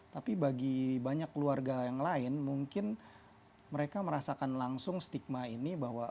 tapi bagi banyak keluarga yang lain mungkin mereka merasakan langsung stigma ini bahwa